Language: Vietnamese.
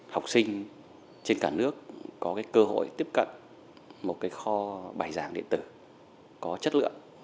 học sinh trên cả nước có cơ hội tiếp cận một kho bài giảng điện tử có chất lượng